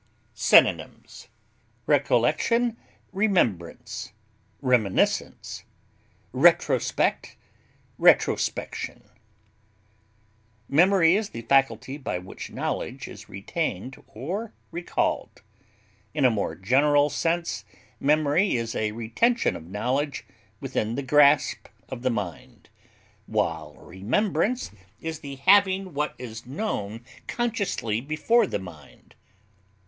Synonyms: recollection, reminiscence, retrospect, retrospection. remembrance, Memory is the faculty by which knowledge is retained or recalled; in a more general sense, memory is a retention of knowledge within the grasp of the mind, while remembrance is the having what is known consciously before the mind.